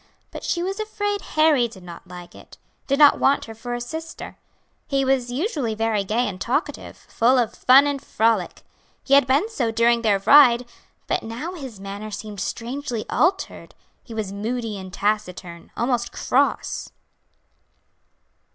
But she was afraid Harry did not like it did not want her for a sister. He was usually very gay and talkative, full of fun and frolic. He had been so during their ride, but now his manner seemed strangely altered; he was moody and taciturn, almost cross.